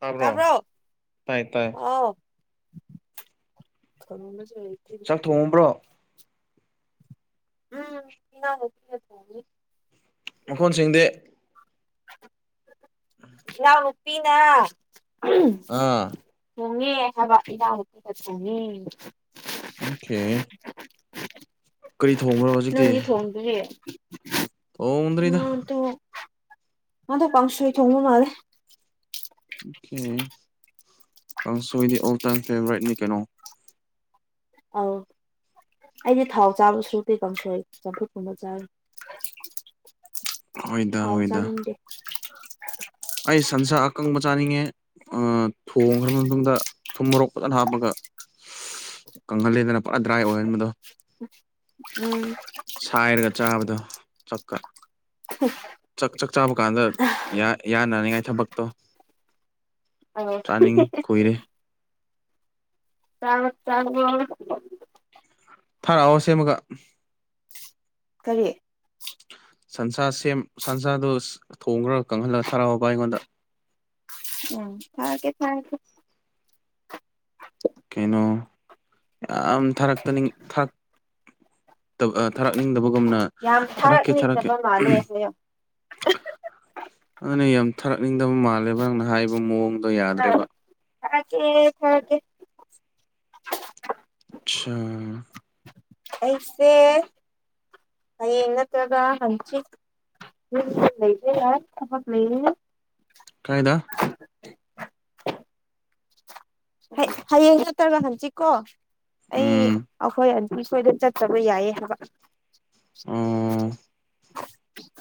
ꯇꯥꯕ꯭ꯔꯣ ꯇ꯭ꯕꯔꯣ ꯇꯥꯏ ꯇꯥꯏ ꯍꯥꯎ ꯈꯪꯗꯦ ꯆꯥꯛ ꯊꯣꯡꯉꯕ꯭ꯔꯣ ꯎꯝꯅꯤ ꯃꯈꯣꯟꯁꯤꯡꯗꯤ ꯏꯅꯥꯎ ꯅꯨꯄꯤꯅ ꯑꯥ ꯊꯣꯡꯉꯦ꯫ ꯍꯥꯏꯕꯥ ꯏꯅꯥꯎ ꯅꯨꯄꯤꯅ ꯊꯣꯡꯒꯦ ꯍꯥꯏꯕꯥ ꯑꯣꯀꯦ ꯀꯔꯤ ꯊꯣꯡꯕꯔꯣ꯫ ꯍꯧꯖꯤꯛꯇꯤ ꯎ ꯊꯣꯡꯗ꯭ꯔꯤꯗ ꯇꯣ ꯑꯗ ꯀꯪꯁꯣꯏ ꯊꯣꯡꯕꯥ ꯃꯥꯜꯂꯦ ꯑꯣ ꯀꯏ ꯀꯥꯡꯁꯣꯏꯗꯤ ꯑꯣ ꯇꯥꯏꯝ ꯐꯦꯚꯣꯔꯥꯏꯠꯅꯤ ꯀꯩꯅꯣ ꯑꯣ ꯑꯩꯗꯤ ꯊꯥꯎ ꯆꯥꯕꯁꯨꯗꯤ ꯀꯥꯡꯁꯣꯏ ꯆꯝꯐꯨꯠ ꯀꯨꯝꯕ ꯆꯥꯕꯥ ꯍꯣꯏꯗ ꯊꯥꯎ ꯍꯣꯏꯗ ꯆꯥꯅꯤꯡꯗꯦ ꯑꯩ ꯁꯟꯁꯥ ꯑꯀꯪꯕ ꯆꯥꯅꯤꯡꯉꯦ ꯊꯣꯡꯈ꯭ꯔ ꯃꯇꯨꯡꯗ ꯊꯨꯝ ꯃꯣꯔꯣꯛ ꯐꯖꯅ ꯍꯥꯞꯄꯒ [inaudible] ꯀꯪꯍꯜꯂꯦꯗꯅ ꯄꯨꯔꯥ ꯗ꯭ꯔꯥꯏ ꯑꯣꯏꯍꯟꯕꯗꯣ ꯎꯝ ꯁꯥꯏꯔꯒ ꯆꯥꯕꯗꯣ ꯆꯥꯛ ꯆꯥꯛ ꯆꯥꯕ ꯀꯥꯟꯗ ꯌꯥꯏ ꯏꯥꯟ ꯅꯤꯡꯉꯥꯏ ꯊꯕꯛꯇꯣ ꯑꯧ ꯆꯥꯅꯤꯡꯉꯤ ꯀꯨꯏꯔꯦ ꯆꯥꯔ꯭ꯕꯣ ꯆꯥꯔꯥꯕꯣ ꯊꯥꯔꯛꯑꯣ ꯁꯦꯝꯃꯒ ꯀꯔꯤ ꯁꯟꯁꯥ ꯁꯦꯝ ꯁꯟꯁꯥꯗꯨꯣ ꯊꯣꯡꯈ꯭ꯔ ꯀꯪꯍꯜꯂꯒ ꯊꯥꯔꯛꯑꯣꯕ ꯑꯩꯉꯣꯟꯗ ꯊꯒꯦ ꯊꯥꯦ ꯀꯩꯅꯣ ꯌꯥꯝ ꯊꯥꯔꯛꯇꯅꯤ ꯊ ꯊꯥꯔꯛꯅꯤꯡꯗꯕ ꯅ ꯌꯥꯝ ꯊꯥꯔꯛꯀꯦ ꯊꯔꯛꯀꯦ ꯊꯥꯔꯛꯅꯤꯡꯗꯕ ꯃꯥꯜꯂꯦ ꯍꯥꯏꯌꯣ ꯑꯗꯨꯅ ꯌꯥꯝ ꯊꯥꯔꯛꯅꯤꯡꯗꯕ ꯃꯥꯜꯂꯦꯕ ꯅꯪꯅ ꯍꯥꯏꯕ ꯃꯑꯣꯡꯗꯣ ꯌꯥꯗ꯭ꯔꯦꯕ ꯊꯀꯦ ꯊꯒꯦ ꯑꯆꯥ ꯑꯩꯁꯦ ꯍꯌꯦꯡ ꯅꯠꯇ꯭ꯔꯒ ꯍꯪꯆꯤꯠ ꯂꯩ ꯌꯥ ꯊ ꯂꯩ ꯂꯩꯦ ꯀꯥꯏꯗ [unintelligible] ꯍꯌꯦꯡ ꯅꯠꯇ꯭ꯔꯒ ꯍꯪꯁꯤꯀꯣ ꯑꯩ ꯎꯝ ꯑꯩꯈꯣꯏ ꯑꯩꯈꯣꯏꯗ ꯆꯠꯆꯕ ꯌꯥꯏꯌꯦ ꯍꯥꯏꯕ ꯑꯣ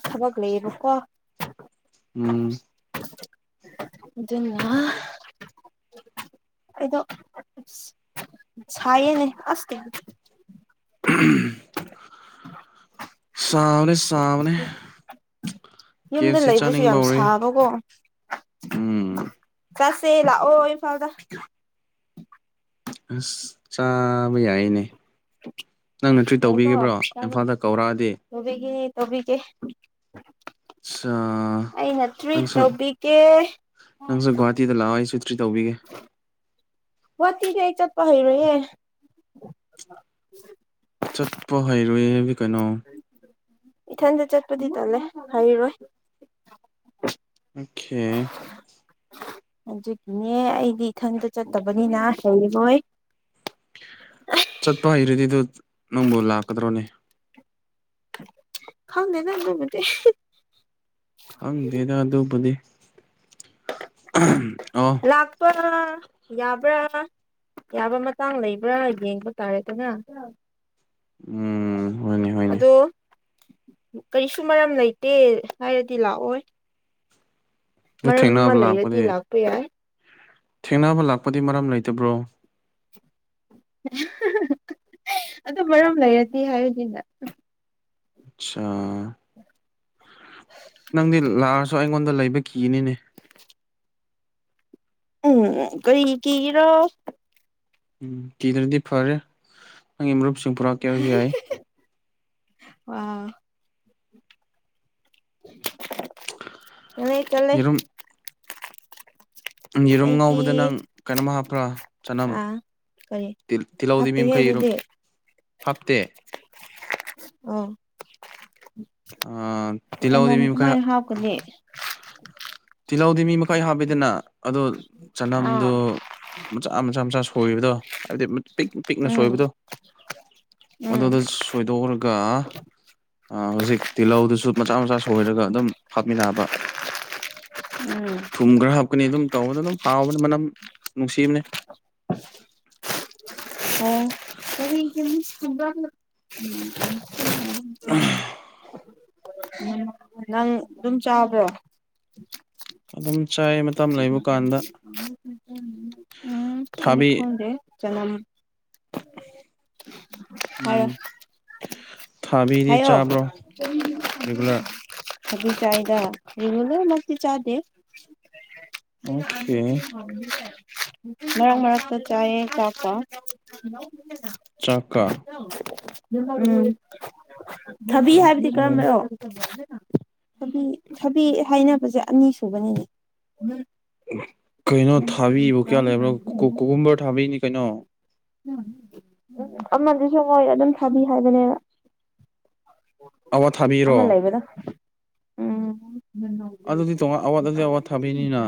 ꯍꯕꯒꯂꯕꯀꯣ ꯎꯝ ꯑꯗꯨ ꯑꯗꯨꯅ ꯑꯩꯗꯣ ꯆꯌꯦꯅꯦ ꯑꯁꯦ [inaudible] ꯁꯝꯅꯦ ꯁꯝꯅꯦ ꯌꯨꯝꯗ ꯂꯩꯕꯁꯨ ꯌꯥꯝ ꯁꯥꯕꯀꯣ ꯎꯝ ꯀꯁꯦ ꯂ ꯑꯣ ꯏꯐꯥꯎꯗ ꯑꯁ ꯆꯥꯕ ꯌꯥꯏꯅꯦ ꯅꯪ ꯅꯠꯇ꯭ꯔꯤ ꯌꯥꯏꯀꯣ ꯇꯧꯕꯤꯈꯤꯕ꯭ꯔꯣ ꯏꯝꯐꯥꯜꯗ ꯀꯧꯔꯛꯑꯗꯤ ꯇꯕꯤ ꯀꯦ ꯅꯪꯁꯨ ꯇꯧꯕꯤꯒꯦ ꯅꯪꯁꯨ ꯒꯋꯥꯍꯥꯇꯤꯗ ꯂꯋꯥ ꯭ꯔꯤ ꯇꯧꯕꯤꯒꯦ ꯋꯥꯛꯀꯤꯛꯗꯤ ꯑꯩ ꯆꯠꯄ ꯍꯩꯔꯣꯏꯍꯦ ꯆꯠꯄ ꯍꯩꯔꯣꯏ ꯍꯥꯏꯕꯤ ꯀꯩꯅꯣ ꯏꯊꯟꯗ ꯆꯠꯄꯗꯤ ꯇꯜꯂꯦ ꯍꯩꯔꯣꯏ ꯑꯣꯀꯦ ꯑꯗꯨꯒꯤꯅꯦ ꯑꯩꯗꯤ ꯏꯊꯟꯗ ꯆꯠꯇꯕꯅꯤꯅ ꯍꯩꯔꯣꯏ ꯆꯠꯄ ꯍꯩꯔꯗꯤ ꯑꯗꯨ ꯅꯪꯕꯨ ꯂꯥꯛꯀꯗ꯭ꯔꯣꯅꯦ ꯈꯥꯎꯗꯅ ꯅꯗꯤ ꯑ ꯂꯥꯛꯄ ꯌꯥꯕ꯭ꯔꯥ ꯌꯥꯕ ꯃꯇꯥꯡ ꯂꯩꯕ꯭ꯔꯥ ꯌꯦꯡꯕ ꯇꯥꯔꯦꯗꯅ ꯎꯝ ꯍꯅꯦ ꯍꯣꯏꯅꯦ ꯑꯗꯣ ꯀꯔꯤꯁꯨ ꯃꯔꯝ ꯂꯩꯇꯦ ꯍꯥꯏꯔꯗꯤ ꯂꯥꯛꯑꯣ ꯑꯗꯨ ꯃꯔꯝ ꯑꯃ ꯊꯦꯡꯅꯕ ꯂꯥꯛꯄꯗꯤ ꯂꯩꯔꯗꯤ ꯂꯥꯛꯄ ꯌꯥꯏ ꯊꯦꯡꯅꯕ ꯂꯥꯛꯄꯗꯤ ꯃꯔꯝ ꯂꯩꯇꯕ꯭ꯔꯣ ꯑꯗꯨ ꯃꯔꯝ ꯂꯩꯔꯗꯤ ꯍꯥꯏꯔꯗꯤꯅ ꯑꯆꯥ ꯅꯪꯗꯤ ꯂꯥꯁ ꯁꯣ ꯑꯩꯉꯣꯟꯗ ꯂꯩꯕ ꯀꯤꯅꯤꯅꯦ ꯎꯝ ꯀꯩ ꯀꯔꯣ ꯎꯝ ꯀꯤꯗ꯭ꯔꯗꯤ ꯐꯔꯦ ꯅꯪꯒꯤ ꯃꯔꯨꯞꯁꯤꯡ ꯄꯨꯔꯛꯀꯦꯔꯁꯨ ꯌꯥꯏ ꯑ ꯎ ꯇꯂꯦ ꯪ ꯌꯦꯔꯨꯝ ꯉꯥꯎꯕꯗ ꯅꯪ ꯀꯩꯅꯣꯝ ꯍꯥꯞꯄ꯭ꯔꯥ ꯆꯅꯝ ꯑꯥ ꯀꯔꯤ ꯇꯤꯜꯍꯧꯗꯤ ꯍꯥꯞꯇꯦꯍꯦ ꯃꯤꯡꯈꯩꯔ ꯑꯗꯨꯗꯤ ꯍꯥꯞꯇꯦ ꯑꯥ ꯑ ꯇꯤꯜꯍꯧꯗꯤ ꯃꯥꯅꯝ ꯃꯤ ꯃꯈꯩ ꯀꯃꯥꯏꯅ ꯍꯥꯞꯀꯅꯤ ꯇꯤꯜꯍꯧꯗꯤ ꯃꯤ ꯃꯈꯩ ꯍꯥꯞꯄꯤꯗꯅ ꯑꯗꯣ ꯆꯅꯝꯗꯣ ꯑꯥ ꯃꯆꯥ ꯃꯆꯥ ꯃꯆꯥ ꯁ ꯁꯣꯏꯕꯗꯣ ꯍꯥꯏꯕꯗꯤ ꯄꯤꯛ ꯄꯤꯛꯅ ꯎꯝ ꯁꯣꯏꯕꯗꯣ ꯎꯝ ꯑꯗꯨꯗ ꯁꯣꯏꯗꯣꯛꯎꯒ ꯀ ꯍꯧꯖꯤꯛ ꯇꯤꯜꯍꯧꯗꯨꯁꯨ ꯃꯆꯥ ꯃꯆꯥ ꯁꯣꯏꯔꯒ ꯑꯗꯨꯝ ꯍꯥꯞꯃꯤꯟꯅꯕ ꯎꯝ ꯊꯨꯝ ꯈ꯭ꯔ ꯍꯥꯞꯀꯅꯤ ꯑꯗꯨꯝ ꯇꯧꯕꯗ ꯑꯗꯨꯝ ꯍꯥꯎꯕꯅꯦ ꯃꯅꯝ ꯅꯨꯡꯁꯤꯕꯅꯦ ꯑꯣ ꯀꯔꯤ ꯀꯔꯤ ꯎ ꯎꯝ [inaudible] ꯎꯝ ꯅꯪ ꯑꯗꯨꯝ ꯆꯥꯕ꯭ꯔꯣ ꯑꯗꯨꯝ ꯆꯥꯏ ꯃꯇꯝ ꯂꯩꯕ ꯀꯥꯟꯗ ꯑꯩꯗꯤ ꯊꯥꯕꯤ ꯈꯪꯗꯦ ꯆꯅꯝ ꯎꯝ ꯍꯥꯏꯔꯣ ꯊꯥꯕꯤꯗꯤ ꯍꯥꯏꯌꯣ ꯆꯥꯕ꯭ꯔꯣ ꯔꯤꯒꯨꯂꯔ ꯑꯗꯨ ꯆꯥꯢꯗ ꯔꯤꯒꯨꯂꯔ ꯃꯛꯇꯤ ꯆꯥꯗꯦ ꯑꯣꯀꯦ ꯃꯔꯛ ꯃꯔꯛ ꯇꯥ ꯆꯥꯏ ꯆꯥꯛꯀꯥ ꯍꯜꯂꯣ ꯆꯛꯀꯥ ꯎꯝ ꯊꯕꯤ ꯍꯥꯏꯕꯗꯤ ꯑꯣꯀꯦ ꯀꯔꯝꯕꯅꯣ ꯊꯕꯤ ꯊꯕꯤ ꯍꯥꯏꯅꯕꯁꯦ ꯑꯅꯤ ꯁꯨꯕꯅꯤꯅꯦ ꯀꯩꯅꯣ ꯊꯥꯕꯤꯕꯨ ꯀꯌꯥ ꯂꯩꯕ꯭ꯔꯣ ꯀꯣꯀꯨꯝꯕꯔ ꯊꯥꯕꯤꯅꯤ ꯀꯩꯅꯣ ꯑꯃꯗꯨꯁꯨ ꯍꯣꯏ ꯑꯗꯨꯝ ꯊꯥꯕꯤ ꯍꯥꯏꯕꯅꯦꯕ ꯑꯋꯥ ꯊꯥꯕꯤꯔꯣ ꯑꯃ ꯂꯩꯕꯗꯣ ꯎꯝ ꯑꯗꯨꯗꯤ ꯇꯣꯉꯥꯟ ꯑꯋꯥꯠꯗꯤ ꯑꯋꯥꯠ ꯊꯥꯕꯤꯅꯤꯅ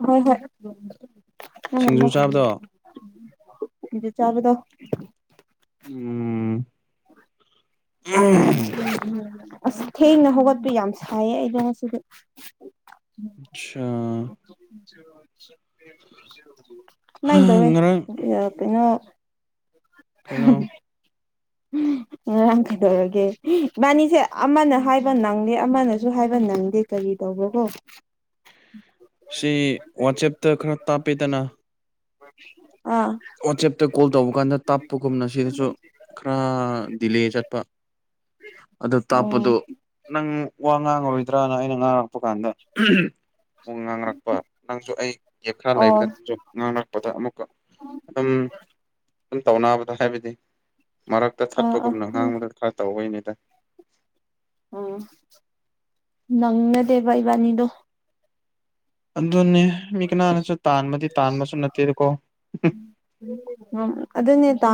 ꯍꯣꯢ ꯍꯣꯢ ꯅꯪ ꯉꯥꯝꯃꯣ ꯆꯕꯗꯣ ꯑꯗꯥ ꯆꯥꯕꯗꯣ ꯎꯝ ꯎ ꯎ ꯑꯁ ꯊꯦꯡꯅ ꯍꯧꯒꯠꯄ ꯌꯥꯝ ꯁꯥꯏꯌꯦ ꯑꯩꯗꯣ ꯉꯁꯤꯗꯤ ꯑꯆꯥꯥ ꯑꯗꯨꯃꯥꯢ ꯇꯧꯋꯦ ꯉꯔꯥꯡ ꯀꯩꯅꯣ ꯎꯝ [inaudible] ꯉꯔꯥꯡ ꯀꯩꯗꯧꯔꯒꯦ ꯏꯕꯥꯅꯤꯁꯦ ꯑꯃꯅ ꯍꯥꯏꯕ ꯅꯪꯗꯦ ꯑꯃꯅꯁꯨ ꯍꯥꯏꯕ ꯅꯪꯗꯦ ꯀꯔꯤ ꯀꯔꯤ ꯇꯧꯕꯔꯥ ꯀꯣ ꯁꯤ ꯋꯥꯆꯦꯞꯇ ꯈꯔ ꯇꯥꯞꯄꯤꯗꯅ ꯍꯣꯏ ꯋꯥꯆꯦꯞꯇ ꯀꯣꯜ ꯇꯧꯕ ꯀꯥꯟꯗ ꯇꯞꯄꯒꯨꯝꯅ ꯁꯤꯗꯁꯨ ꯈꯔ ꯗꯤꯂꯦ ꯆꯠꯄ ꯑꯗꯨ ꯑꯣ ꯇꯥꯛꯞꯄꯗꯣ ꯅꯪ ꯋꯥ ꯉꯥꯡꯉꯔꯣꯏꯗ꯭ꯔꯥꯅ ꯑꯩꯅ ꯉꯥꯡ ꯊꯣꯛꯄꯀꯥꯟꯗ ꯑꯃꯨꯛ ꯉꯥꯡꯔꯛꯄ ꯅꯪꯁꯨ ꯑꯩ ꯒꯦꯞ ꯈꯔ ꯑꯣ ꯂꯩꯕꯗ ꯅꯪꯁꯨ ꯉꯥꯡꯔꯛꯄꯗ ꯑꯃꯨꯛꯀ ꯁꯨꯝ ꯇꯧꯅꯕꯗ ꯍꯥꯏꯕꯗꯤ ꯃꯔꯛꯇ ꯑꯥ ꯑꯥ ꯊꯠꯄꯒꯨꯝꯅ ꯈꯪꯗꯦ ꯉꯥꯡꯕꯗ ꯈꯔ ꯇꯧꯕꯩꯅꯦ ꯠꯇ [inaudible] ꯎꯝ ꯅꯪꯗꯦꯕ ꯏꯕꯥꯟꯅꯤꯗꯣ ꯑꯗꯨꯅꯤ ꯃꯤ ꯀꯅꯅꯁꯨ ꯇꯥꯟꯕꯗꯤ ꯇꯥꯟꯕꯃꯁꯨ ꯅꯠꯇꯦꯗꯀꯣ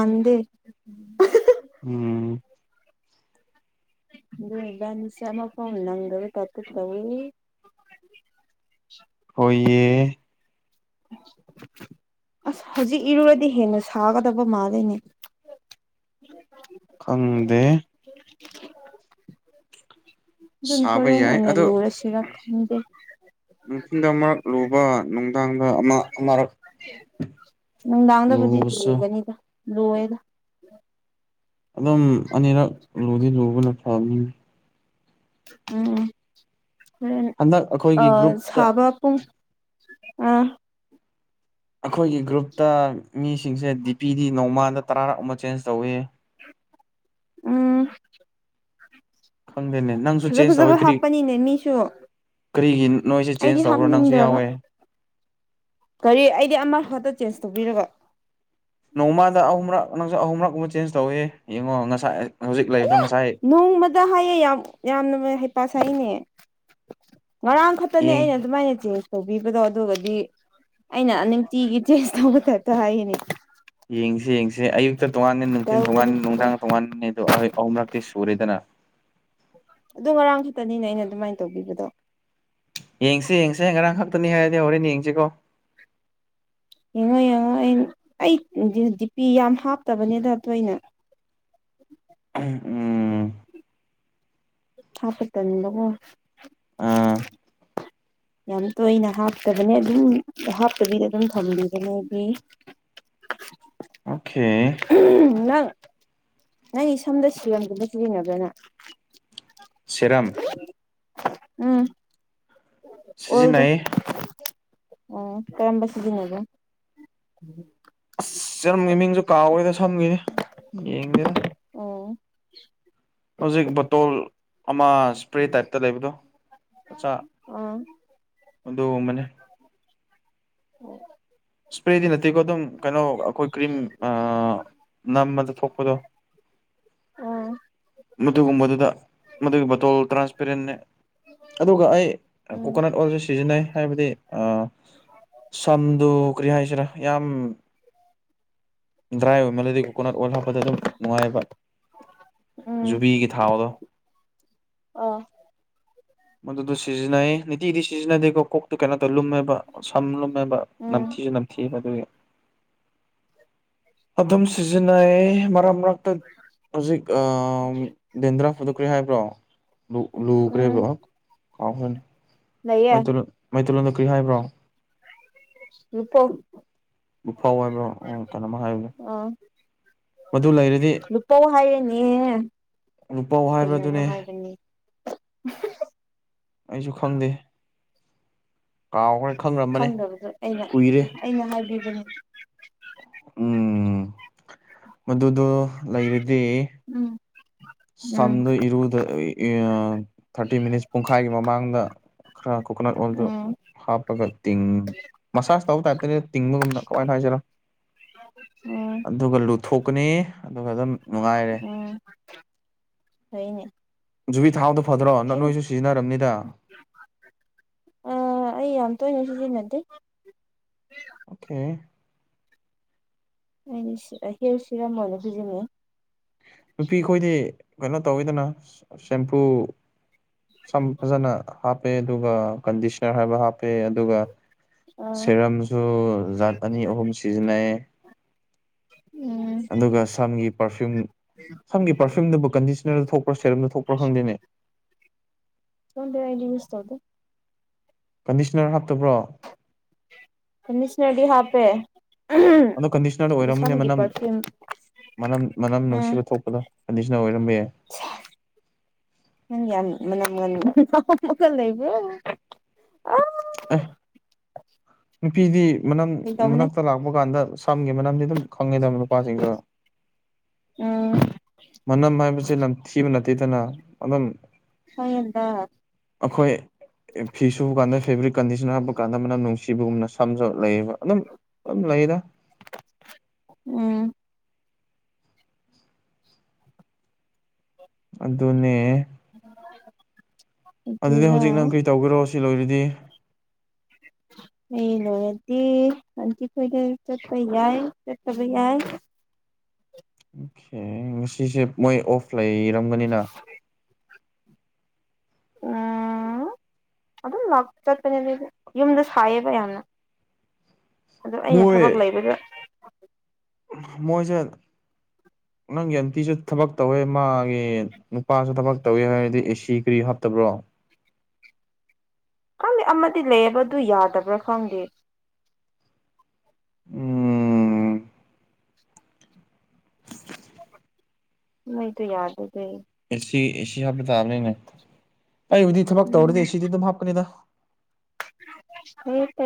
ꯅꯗ [inaudible] ꯎꯝ ꯑꯗꯨꯅ ꯏꯕꯥꯟꯅꯤꯁꯦ ꯑꯃꯇ ꯅꯥꯪꯗꯕꯩ ꯇꯨꯞꯇ ꯇꯧꯏ [inaudible] ꯍꯣꯢꯌꯦ ꯑꯁ ꯍꯧꯖꯤꯛ ꯏꯔꯨꯔꯗꯤ ꯍꯦꯟꯅ ꯁꯥꯒꯗꯕ ꯃꯥꯜꯂꯤꯅꯦ ꯈꯪꯗꯦ ꯑꯗꯨꯅ ꯁꯥꯕ ꯍꯣꯔꯦꯟ ꯌꯥꯏ ꯑꯣꯏꯅ ꯑꯗꯣ ꯂꯨꯔꯁꯤꯔ ꯈꯪꯗꯦ ꯅꯨꯡꯊꯤꯟꯗ ꯑꯃꯛ ꯂꯨꯕ ꯅꯨꯡꯗꯥꯡꯗ ꯑꯃ ꯑꯃꯛ ꯅꯨꯡꯗꯥꯡꯗꯕꯨꯗꯤ ꯂꯒꯅꯤꯗ ꯂꯣꯏꯋꯦꯗ ꯑꯗꯨꯝ ꯑꯅꯤꯔꯛ ꯂꯨꯗꯤ ꯂꯨꯕꯅ ꯐꯅꯤ ꯎꯝ ꯍꯟꯗꯛ ꯑ ꯑꯩꯈꯣꯏꯒꯤ ꯒ꯭ꯔꯨꯞꯇ ꯁꯥꯕꯄꯨꯡ ꯑꯥ ꯑꯩꯈꯣꯏꯒꯤ ꯒ꯭ꯔꯨꯞꯇ ꯃꯤꯁꯤꯡꯁꯦ ꯗꯤ ꯄꯤ ꯗꯤ ꯅꯣꯡꯃꯥꯗ ꯇꯔꯥꯔꯥ ꯑꯃ ꯆꯦꯟꯖ ꯇꯧꯏꯤ ꯎꯝ ꯈꯪꯗꯦꯅꯦ ꯅꯪꯁꯨ ꯐꯖ ꯆꯦꯟꯖ ꯇꯧꯋꯤ ꯐꯖꯕ ꯀꯔꯤ ꯍꯥꯞꯄꯅꯤꯅꯦ ꯃꯤꯁꯨ ꯀꯔꯤꯒꯤ ꯅꯣꯏꯁꯦ ꯆꯦꯟꯖ ꯑꯩꯗꯤ ꯇꯧꯕ꯭ꯔꯣ ꯅꯪꯁꯨ ꯍꯥꯞꯅꯤꯡꯗ꯭ꯔꯕ ꯌꯥꯎꯋꯦ ꯀꯔꯤ ꯑꯩꯗꯤ ꯑꯃ ꯍꯠꯇ ꯆꯦꯟꯖ ꯇꯧꯕꯤꯔꯕ ꯅꯣꯡꯃꯗ ꯑꯍꯨꯝꯔꯛ ꯅꯪꯁꯨꯛ ꯑꯍꯨꯝ ꯃꯔꯛꯨꯝꯕ ꯆꯦꯟꯖ ꯇꯧꯋ ꯌꯦꯡꯉꯣ ꯉꯁꯥꯏ ꯍꯧꯖꯤꯛ ꯂꯩꯕꯗꯣ ꯉꯁꯥꯏ ꯅꯣꯡꯃꯗ ꯍꯥꯏꯌꯦ ꯌꯥꯝ ꯌꯥꯝꯅ ꯍꯩ ꯄꯥꯁꯩꯅꯦ ꯉꯔꯥꯡ ꯈꯛꯇꯅꯦ ꯌꯦꯡꯉꯤ ꯑꯩꯅ ꯑꯗꯨꯃꯥꯏꯅ ꯇꯧꯕꯤꯕꯗꯣ ꯑꯗꯨꯒꯗꯤ ꯑꯩꯅ ꯅꯨꯡꯇꯤꯒꯤ ꯇꯦꯁ ꯇꯧꯕ ꯇꯦꯇ ꯍꯥꯏꯅꯤ ꯌꯦꯡꯁꯤ ꯌꯦꯡꯁꯤ ꯑꯌꯨꯛꯇ ꯇꯣꯉꯥꯟ ꯅꯨꯡꯊꯤꯟ ꯇꯣꯉꯥꯟ ꯇꯧꯕꯅꯤ ꯅꯨꯡꯗꯥꯡ ꯇꯣꯉꯥꯟꯕꯅꯤ ꯑꯗꯣ ꯑꯍꯨꯝꯂꯛꯇꯤ ꯁꯨꯔꯦꯗꯅ ꯑꯗꯨ ꯉꯔꯥꯡ ꯈꯛꯇꯅꯤꯅꯦ ꯑꯩꯅ ꯑꯗꯨꯃꯥꯏꯅ ꯇꯧꯕꯤꯕꯗꯣ ꯌꯦꯡꯁꯤ ꯌꯦꯡꯁꯦ ꯉꯔꯥꯡ ꯈꯛꯇꯅꯤ ꯍꯥꯏꯔꯗꯤ ꯍꯣꯔꯦꯟ ꯌꯦꯡꯁꯤꯀꯣ ꯌꯦꯡꯉꯣ ꯌꯦꯡꯉꯣ ꯑꯩ ꯗꯤꯄꯤ ꯌꯥꯝ ꯍꯥꯞꯇꯕꯅꯤꯗ ꯇꯣꯏꯅ [inaudible] ꯎꯝ ꯁꯥꯄ ꯇꯅꯤꯡꯗꯣ ꯑꯥ ꯌꯥꯝ ꯇꯣꯏꯅ ꯍꯥꯞꯇꯕꯅꯦ ꯑꯗꯨꯝ ꯍꯥꯞꯄꯕꯤꯗ ꯑꯗꯨꯝ ꯊꯝꯕꯤꯒꯅꯦ ꯑꯩꯗꯤ [inaudible] ꯑꯣꯀꯦ ꯅꯪ ꯁꯝꯗ ꯁꯤꯔꯝꯒꯨꯝꯕ ꯁꯤꯖꯤꯅꯕꯔꯥ ꯅꯪ ꯁꯤꯔꯝ ꯎꯝ ꯑꯣꯏꯜꯗꯣ ꯁꯤꯖꯤꯟꯅꯩꯌꯦ ꯑꯣ ꯀꯔꯝꯕꯁꯨꯗꯤꯉꯒꯣ ꯆꯔꯝꯒꯤ [inaudible] ꯃꯤꯡꯁꯨ ꯀꯥꯎꯦꯗ ꯁꯝꯈꯤꯅꯤ ꯌꯦꯡꯗꯦꯗ ꯎ [unintelligible] ꯍꯧꯖꯤꯛ ꯕꯣꯇꯣꯜ ꯑꯃ ꯏꯁꯄ꯭ꯔꯦ ꯇꯥꯏꯞꯇ ꯂꯩꯕꯗꯣ ꯃꯆꯥ ꯑ ꯑꯗꯨꯒꯨꯝꯕꯅꯤ ꯎꯝ ꯏꯁꯄ꯭ꯔꯦꯗꯤ ꯅꯠꯇꯦꯀꯣ ꯑꯗꯨꯝ ꯀꯩꯅꯣ ꯑꯩꯈꯣꯏ ꯀ꯭ꯔꯤꯝ ꯅꯝꯃꯗ ꯊꯣꯛꯄꯗꯣ [unintelligible] ꯃꯗꯨꯒꯨꯝꯕꯗꯨꯗ ꯃꯗꯨꯒꯤ ꯕꯇꯣꯜ ꯇ꯭ꯔꯥꯟꯁꯄꯦꯔꯦꯟꯅꯦ ꯑꯗꯨꯒ ꯑꯩ ꯀꯣꯀꯣꯅꯠ ꯑꯣꯏꯜꯁꯨ ꯁꯤꯖꯤꯟꯅꯩ ꯍꯥꯏꯕꯗꯤ ꯁꯝꯗꯨ ꯀꯔꯤ ꯍꯥꯏꯁꯤꯔꯥ ꯌꯥꯝ ꯗ꯭ꯔꯥꯏ ꯑꯣꯏꯃꯦꯂꯗꯤ ꯀꯣꯀꯣꯅꯠ ꯑꯣꯏꯜ ꯍꯥꯞꯄꯗ ꯑꯗꯨꯝ ꯅꯨꯡꯉꯥꯏꯕ ꯖꯨꯕꯤꯒꯤ ꯊꯥꯎꯗꯣ ꯑꯣ ꯃ ꯁꯤꯖꯅꯏ ꯅꯇꯗꯤ ꯁꯤꯖꯅꯗꯤ ꯀ ꯀꯣꯛꯇꯨ ꯀꯩꯅꯣ ꯇꯧ ꯂꯨꯝꯃꯦꯕ ꯁꯝ ꯂꯨꯝꯃꯦꯕ ꯎꯝ ꯐꯗꯨ [inaudible] ꯑꯗꯨꯝ ꯁꯤꯖꯤꯟꯅꯩ ꯃꯔꯝ [unintelligible] ꯍꯧꯖꯤꯛ ꯗꯦꯟꯗ꯭ꯔꯥ ꯑꯗꯨ ꯀꯔꯤ ꯍꯥꯏꯕ꯭ꯔꯣ ꯂꯨ ꯂꯨ ꯀꯔꯤꯕꯥ ꯎꯝ ꯀꯥꯎꯈꯔꯦꯅꯤ ꯂꯩꯌꯦ ꯃꯩꯇꯩꯂꯣꯟꯗ ꯀꯔꯤ ꯍꯥꯏꯕ꯭ꯔꯣ ꯂꯨꯄꯧ ꯂꯨꯐꯥꯎ ꯍꯥꯏꯕ꯭ꯔꯣ ꯑꯣ ꯀꯩꯅꯣꯝꯃꯥ ꯍꯥꯏꯕꯗꯣ ꯑ ꯂꯨꯄꯧ ꯍꯥꯏꯌꯦꯅꯦ ꯂꯨꯄꯧ ꯍꯥꯏꯕ꯭ꯔꯥ ꯀꯩꯅꯣꯝꯃ ꯑꯗꯨꯅꯦ ꯍꯥꯏꯕꯅꯤ [inaudible] ꯑꯩꯁꯨ ꯈꯪꯗꯦ ꯀꯥꯎꯈ꯭ꯔꯦ ꯈꯪꯔꯝꯕꯅꯦ ꯈꯪꯗꯕꯗ ꯑꯩꯅ ꯀꯨꯏꯔꯦ ꯑꯩꯅ ꯍꯥꯏꯕꯤꯕꯅꯦ ꯎꯝ ꯃꯗꯨꯗꯣ ꯂꯩꯔꯗꯤ ꯎꯝ ꯎꯝ ꯁꯝꯗ ꯏꯔꯨꯗ ꯊꯥꯔꯇꯤ ꯃꯤꯅꯤꯠꯁ ꯄꯨꯡꯈꯥꯏꯒꯤ ꯃꯃꯥꯡꯗ ꯑ ꯀꯣꯀꯣꯅꯠ ꯑꯣꯏꯜꯗꯣ ꯎꯝ ꯍꯥꯞꯄꯒ ꯇꯤꯡ ꯃꯁꯥꯁ ꯇꯧꯕ ꯇꯥꯏꯞꯇꯅꯦ ꯇꯤꯡꯕꯒꯨꯝꯅ ꯀꯃꯥꯏꯅ ꯍꯥꯏꯁꯤꯔꯣ ꯎꯝ ꯑꯗꯨꯒ ꯂꯨꯊꯣꯛꯀꯅꯤ ꯑꯗꯨꯒ ꯑꯗꯨꯝ ꯅꯨꯡꯉꯥꯏꯔꯦ ꯍꯣꯏꯅꯦ ꯖꯨꯕꯤ ꯊꯥꯎꯗꯣ ꯐꯗ꯭ꯔꯣ ꯅ ꯅꯣꯏꯁꯨ ꯁꯤꯖꯤꯟꯅꯔꯝꯅꯤꯗ ꯑ ꯑꯩ ꯌꯥꯝ ꯇꯣꯏꯅ ꯁꯤꯖꯤꯟꯅꯗꯦ ꯑꯣꯀꯦ ꯑꯩꯗꯤ ꯁꯤ ꯍꯦꯔ ꯁꯤꯔꯝ ꯑꯣꯏꯅꯥ ꯁꯤꯖꯟꯅꯩ ꯅꯨꯄꯤ ꯑꯩꯈꯣꯏꯗꯤ ꯀꯩꯅꯣ ꯇꯧꯋꯤꯗꯅ ꯁꯦꯝꯄꯨ ꯁꯝ ꯐꯖꯅ ꯍꯥꯞꯄꯦ ꯑꯗꯨꯒ ꯀꯟꯗꯤꯁꯅꯔ ꯍꯥꯏꯕ ꯍꯥꯞꯄꯦ ꯑꯗꯨꯒ ꯑ ꯁꯦꯔꯝꯁꯨ ꯖꯥꯠ ꯑꯅꯤ ꯑꯍꯨꯝ ꯁꯤꯖꯤꯟꯅꯩ ꯎꯝ ꯑꯗꯨꯒ ꯁꯝꯒꯤ ꯄꯥꯔꯐ꯭ꯌꯨꯝ ꯁꯝꯒꯤ ꯄꯔꯐ꯭ꯌꯨꯝꯗꯨꯕꯨ ꯀꯟꯗꯤꯁꯅꯔꯗ ꯊꯣꯛꯄ꯭ꯔꯥ ꯁꯦꯔꯝꯗ ꯊꯣꯛꯄ꯭ꯔꯥ ꯈꯪꯗꯦꯅꯦ ꯈꯪꯗꯦ ꯑꯩꯗꯤ ꯌꯨꯁ ꯇꯧꯗꯦ ꯀꯟꯗꯤꯁꯅꯔ ꯍꯥꯞꯇꯕ꯭ꯔꯣ ꯀꯟꯗꯤꯁꯅꯔꯗꯤ ꯍꯥꯞꯄꯦ ꯑꯗꯣ ꯀꯟꯗꯤꯁꯅꯔꯗ ꯑꯗꯨ ꯑꯣꯏꯔꯝꯃꯅꯦ ꯁꯝꯒꯤ ꯃꯅꯝ ꯄꯔꯐ꯭ꯌꯨꯝ ꯃꯅꯝ ꯃꯅꯝ ꯎꯝ ꯅꯨꯡꯁꯤꯕ ꯊꯣꯛꯄꯗꯣ ꯀꯟꯗꯤꯁꯅ ꯑꯣꯏꯔꯝꯕ ꯌꯥꯏ ꯅꯪ ꯌꯥꯝ [unintelligible] ꯑꯦ ꯅꯨꯄꯤꯗꯤ ꯃꯅꯝ ꯐꯒꯤ ꯇꯧꯕꯅꯦ ꯃꯅꯥꯛꯇ ꯂꯥꯛꯄ ꯀꯥꯟꯗ ꯁꯝꯒꯤ ꯃꯅꯝꯗꯤ ꯑꯗꯨꯝ ꯈꯪꯉꯤꯗꯕ ꯅꯨꯄꯥꯁꯤꯡꯁꯨ ꯎꯝ ꯃꯅꯝ ꯍꯥꯏꯕꯁꯤ ꯅꯝꯊꯤꯕ ꯑꯗꯨꯝ ꯐꯌꯦꯟꯗꯥ ꯑꯩꯈꯣꯏ ꯐꯤ ꯁꯨꯕ ꯀꯥꯟꯗ ꯐꯦꯕ꯭ꯔꯤꯛ ꯀꯟꯗꯤꯁꯅꯔ ꯍꯥꯞꯄ ꯀꯥꯟꯗ ꯃꯅꯝ ꯅꯨꯡꯁꯤꯕꯒꯨꯝꯅ ꯁꯝꯖꯨ ꯂꯩꯕ ꯑꯗꯨꯝ ꯂꯩꯌꯦꯗ ꯎꯝ ꯑꯗꯨꯅꯦ [unintelligible] ꯑꯗꯨꯗꯤ ꯑꯗꯨꯒ ꯍꯧꯖꯤꯛ ꯅꯪ ꯀꯩ ꯇꯧꯒꯦꯔꯣ ꯁꯤ ꯂꯣꯏꯔꯗꯤ [unintelligible] ꯑꯩ ꯂꯣꯏꯔꯗꯤ ꯑꯥꯟꯗꯤ ꯀꯣꯏꯗ ꯆꯠꯄ ꯌꯥꯏ ꯆꯠꯇꯕ ꯌꯥꯏ ꯑꯣꯀꯦ ꯉꯁꯤꯁꯦ ꯃꯣꯏ ꯑꯣꯐ ꯂꯩꯔꯝꯒꯅꯤꯅ ꯑꯥ ꯑꯗꯨꯝ ꯆꯠꯄꯅꯦ ꯑꯗꯨ ꯌꯨꯝꯗ ꯁꯥꯏꯌꯦꯕ ꯌꯥꯝꯅ ꯑꯗ ꯑꯩꯅ ꯃꯣꯏ ꯊꯕꯛ ꯂꯩꯕꯗ ꯃꯣꯖꯦ ꯅꯪꯒꯤ ꯑꯟꯇꯤꯁꯨ ꯊꯕꯛ ꯇꯧꯋꯦ ꯃꯥꯒꯤ ꯅꯨꯄꯥꯁꯨ ꯊꯕꯛ ꯇꯧꯋꯦ ꯍꯥꯏꯔꯗꯤ ꯑꯦꯁꯤ ꯀꯔꯤ ꯍꯥꯞ ꯐꯠꯇꯕ꯭ꯔꯣ [unintelligible] ꯈꯪ ꯑꯃꯗꯤ ꯂꯩꯌꯦꯕ ꯑꯗꯨ ꯌꯥꯗꯕ꯭ꯔꯥ ꯈꯪꯗꯦ ꯎꯝ ꯏ ꯌꯥꯗ ꯑꯗꯨꯦ ꯑꯦꯁꯤ ꯑꯦꯁꯤ ꯍꯥꯞꯄ ꯇꯥꯕꯅꯤꯅꯦ ꯑꯩꯥꯏꯕꯨꯗꯤ ꯊꯕꯛ ꯎꯝ ꯇꯧꯔꯗꯤ ꯑꯦꯁꯤꯗꯤ ꯑꯗꯨꯝ ꯍꯥꯞꯀꯅꯤꯗ ꯍ